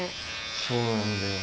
そうなんだよ。